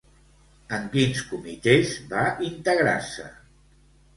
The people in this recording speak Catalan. En quins comitès va integrar-se?